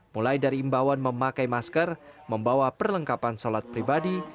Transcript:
mulai dari imbawan memakai masker membawa perlengkapan salat pribadi